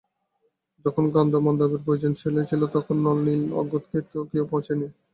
যখন গন্ধমাদনের প্রয়োজন হয়েছিল তখন নল-নীল-অঙ্গদকে তো কেউ পোঁছেও নি!